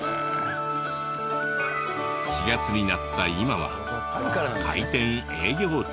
４月になった今は開店営業中。